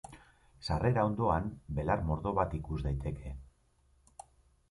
Sarrera ondoan, belar mordo bat ikus daiteke.